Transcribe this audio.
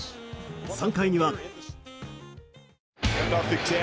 ３回には。